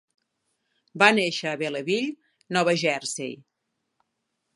Va néixer a Belleville, Nova Jersey.